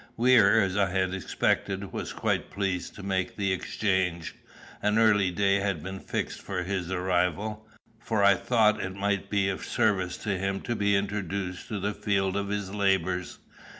Weir, as I had expected, was quite pleased to make the exchange. An early day had been fixed for his arrival; for I thought it might be of service to him to be introduced to the field of his labours.